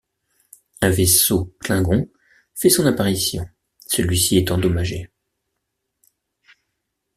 Un vaisseau Klingon fait son apparition, celui-ci est endommagé.